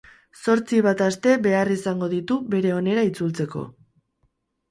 Zortzi bat aste behar izango ditu bere onera itzultzeko.